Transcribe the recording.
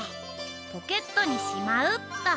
ポケットにしまうっと。